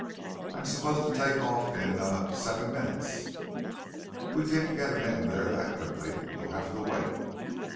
I'm supposed to take off in ah seven minutes." "We can't get a man there that quickly. You'll have to wait."